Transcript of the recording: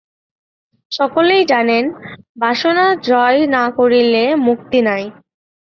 সকলেই জানেন, বাসনা জয় না করিলে মুক্তি নাই।